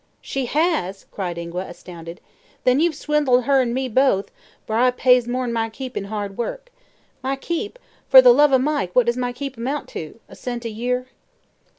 "She has?" cried Ingua, astounded. "Then you've swindled her an' me both, for I pays for more'n my keep in hard work. My keep? For the love o' Mike, what does my keep amount to? A cent a year?"